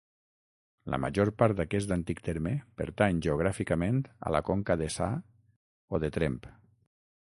La major part d'aquest antic terme pertany geogràficament a la Conca Deçà, o de Tremp.